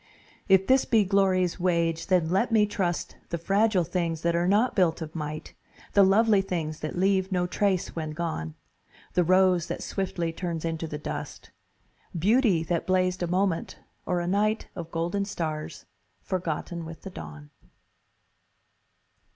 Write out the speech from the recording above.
If this be glory's wage, then let me trust The fragile things that are not built of might, The lovely things that leave no trace when gone: The rose that swiftly turns into the dust, Beauty that blazed a moment Or a night Of golden stars forgotten with the dawn.